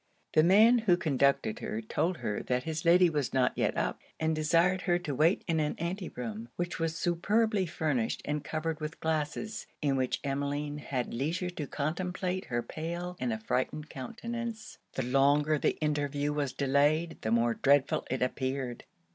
The man who conducted her, told her that his Lady was not yet up, and desired her to wait in an anti room, which was superbly furnished and covered with glasses, in which Emmeline had leisure to contemplate her pale and affrighted countenance. The longer the interview was delayed the more dreadful it appeared.